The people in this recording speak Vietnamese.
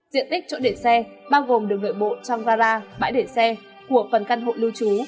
diện tích chỗ để xe bao gồm đường nội bộ trong vara bãi để xe của phần căn hộ lưu trú